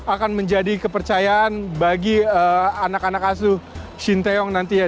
akan menjadi kepercayaan bagi anak anak asuh shin taeyong nanti ya